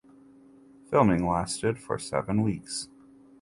Filming lasted for seven weeks.